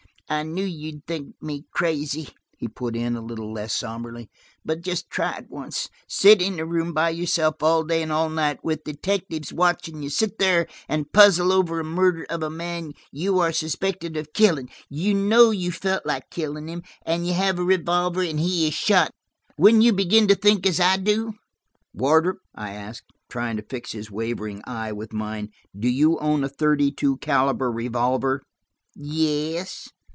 "I knew you would think me crazy," he put in, a little less somberly, "but just try it once: sit in a room by yourself all day and all night, with detectives watching you; sit there and puzzle over a murder of a man you are suspected of killing; you know you felt like killing him, and you have a revolver; and he is shot. Wouldn't you begin to think as I do?" "Wardrop," I asked, trying to fix his wavering eyes with mine, "do you own a thirty two caliber revolver?" "Yes."